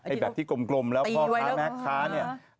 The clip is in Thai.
แบบที่กลมแล้วพ่อค้าแม่ค้าเนี่ย